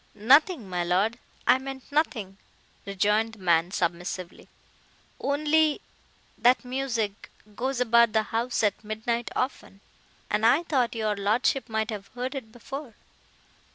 "Nothing, my Lord, I meant nothing," rejoined the man submissively—"Only—that music—goes about the house at midnight often, and I thought your lordship might have heard it before."